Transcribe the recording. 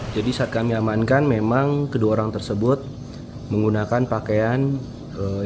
jadi saat kami amankan memang kedua orang tersebut menggunakan pakaian yang berkualitas